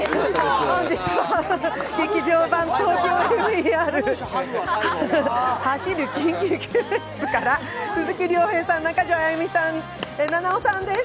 本日は「劇場版ＴＯＫＹＯＭＥＲ走る緊急救命室」から鈴木亮平さん、中条あやみさん、菜々緒さんです。